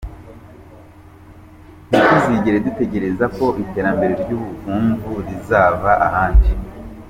Ntituzigere dutegereza ko iterambere ry’ubuvumvu rizava ahandi.